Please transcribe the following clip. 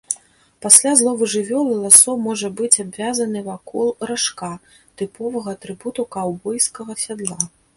Пасля злову жывёлы ласо можа быць абвязаны вакол ражка, тыповага атрыбуту каўбойскага сядла.